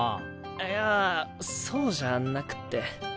いやそうじゃなくて。